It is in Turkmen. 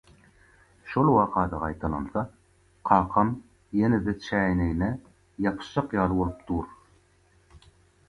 şol waka-da gaýtalansa, kakam ýene-de çäýnegine ýapyşaýjak ýaly bolup dur.